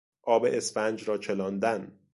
آب اسفنج را چلاندن